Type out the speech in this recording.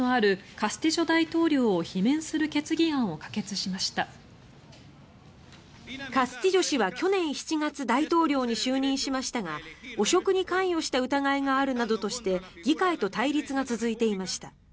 カスティジョ氏は去年７月大統領に就任しましたが汚職に関与した疑いがあるなどとして議会と対立が続いていました。